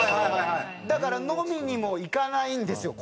だから飲みにも行かないんですよ。